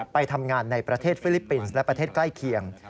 ไปทำงานในประเทศฟิลิปปินส์และประเทศใกล้เคียง